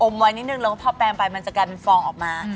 ไว้นิดนึงแล้วพอแปลงไปมันจะกลายเป็นฟองออกมา